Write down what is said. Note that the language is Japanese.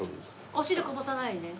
お汁こぼさないでね。